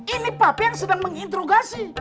ini pabrik yang sedang menginterogasi